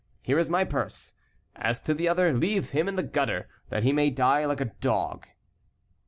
Here is my purse. As to the other, leave him in the gutter, that he may die like a dog."